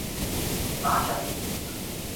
马泰绍尔考。